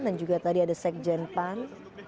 dan juga tadi ada sekjen pan